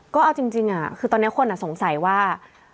ก็เอาจริงคือตอนนี้คนสงสัยว่า